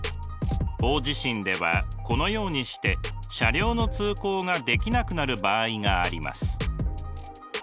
大地震ではこのようにして車両の通行ができなくなる場合があります。